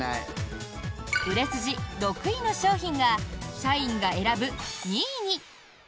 売れ筋６位の商品が社員が選ぶ２位に！